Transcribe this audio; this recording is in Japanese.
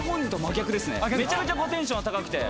めちゃくちゃテンション高くて。